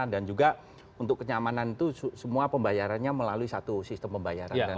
dan juga untuk kenyamanan itu semua pembayarannya melalui satu sistem pembayaran